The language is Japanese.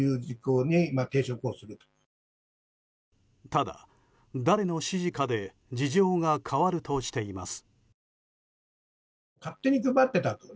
ただ、誰の指示かで事情が変わるとしています。